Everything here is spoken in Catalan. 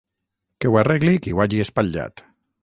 Que ho arregli qui ho hagi espatllat!